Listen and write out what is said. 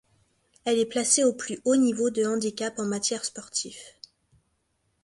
Elle est placée au plus haut niveau de handicap en matière sportif.